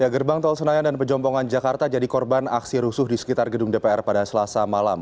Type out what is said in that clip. gerbang tol senayan dan pejompongan jakarta jadi korban aksi rusuh di sekitar gedung dpr pada selasa malam